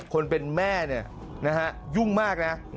คนเป็นแม่เนี่ยนะฮะยุ่งมากนะ